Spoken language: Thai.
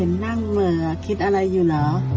เห็นนั่งเหมือคิดอะไรอยู่หรอ